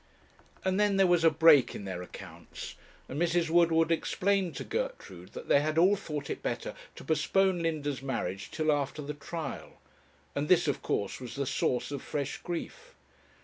And then there was a break in their accounts, and Mrs. Woodward explained to Gertrude that they had all thought it better to postpone Linda's marriage till after the trial; and this, of course was the source of fresh grief.